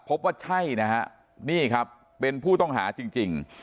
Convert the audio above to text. พบว่าใช่นะฮะนี่ครับเป็นผู้ต้องหาจริง